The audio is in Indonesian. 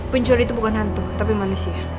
pencuri itu bukan hantu tapi manusia